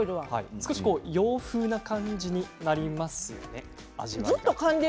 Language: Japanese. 少し洋風な感じになりますね、味は。